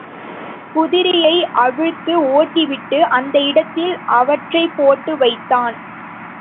குதிரையை அவிழ்த்து ஓட்டிவிட்டு அந்த இடத்தில் அவற்றைப்போட்டு வைத்தான்.